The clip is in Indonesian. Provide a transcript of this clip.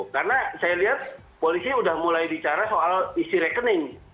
karena saya lihat polisi sudah mulai bicara soal isi rekening